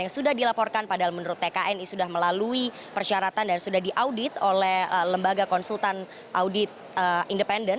yang sudah dilaporkan padahal menurut tkni sudah melalui persyaratan dan sudah diaudit oleh lembaga konsultan audit independen